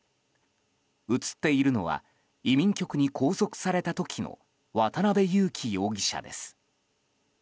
映っているのは移民局に拘束された時の渡邉優樹容疑者です。